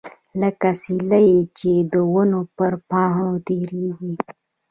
لکه سیلۍ چې د ونو پر پاڼو تیریږي.